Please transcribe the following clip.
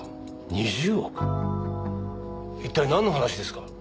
一体なんの話ですか？